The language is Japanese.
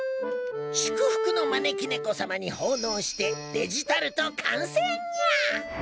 祝福の招き猫様に奉納してデジタルト完成にゃ！